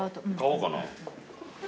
買おうかな。